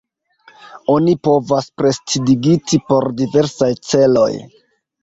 Oni povas prestidigiti por diversaj celoj.